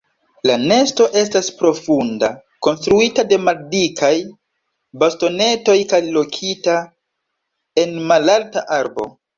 La nesto estas profunda, konstruita de maldikaj bastonetoj kaj lokita en malalta arbo.